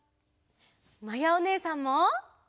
まやおねえさんも！